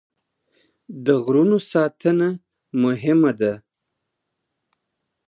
د غرونو ساتنه مهمه ده.